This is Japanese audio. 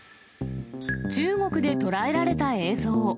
中国で捉えられた映像。